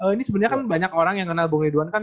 ini sebenarnya kan banyak orang yang kenal bung ridwan kan